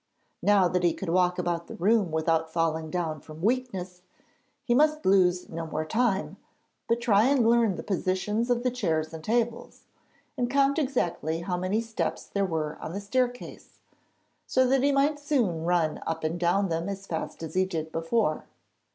Now that he could walk about the room without falling down from weakness he must lose no more time, but try and learn the positions of the chairs and tables and count exactly how many steps there were on the staircase, so that he might soon run up and down them as fast as he did before.